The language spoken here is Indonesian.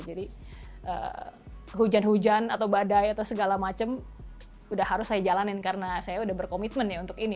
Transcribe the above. jadi hujan hujan atau badai atau segala macem udah harus saya jalanin karena saya udah berkomitmen ya untuk ini